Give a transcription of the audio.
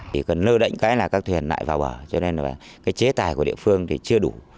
chỉ cần nơ đệnh cái là các thuyền lại vào bờ cho nên là cái chế tài của địa phương thì chưa đủ